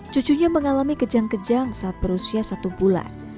cucunya mengalami kejang kejang saat berusia satu bulan